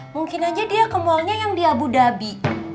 mungkin aja dia ke malnya yang di abu dhabi